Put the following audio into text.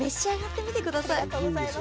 ありがとうございます。